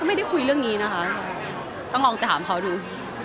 ไม่ได้คุยเรื่องนี้นะคะต้องลองถามเขาดู